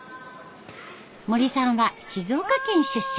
森さんは静岡県出身。